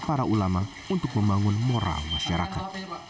para ulama untuk membangun moral masyarakat